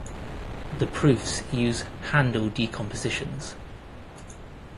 The proofs use handle decompositions.